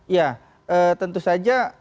ya tentu saja